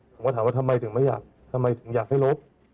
ผมก็ถามว่าทำไมถึงไม่อยากทำไมถึงอยากให้ลบ